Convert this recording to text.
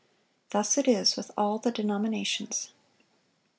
_Thus it is with all the denominations.